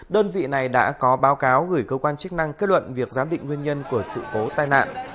đơn vị này đã có báo cáo gửi cơ quan chức năng kết luận việc giám định nguyên nhân của sự cố tai nạn